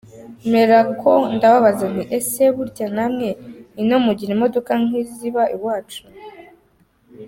Mperako ndababaza nti : “Ese burya namwe ino mugira imodoka nk’iziba iwacu ?